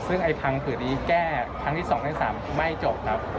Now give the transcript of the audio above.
ซึ่งพังผืดนี้แก้ทั้งที่๒๓ไม่จบครับ